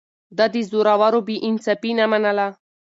ده د زورورو بې انصافي نه منله.